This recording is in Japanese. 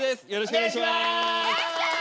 お願いします！